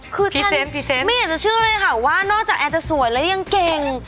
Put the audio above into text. คือไม่อยากจะเชื่อเลยค่ะว่านอกจากแอนจะสวยแล้วยังเก่ง